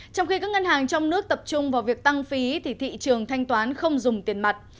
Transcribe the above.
trong khi các ngân hàng trong nước tập trung vào việc tăng phí thì thị trường thanh toán không dùng tiền mặt